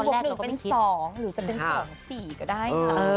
หรือจะเป็น๒๔ก็ได้